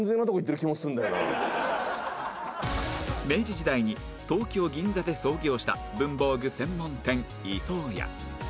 明治時代に東京銀座で創業した文房具専門店伊東屋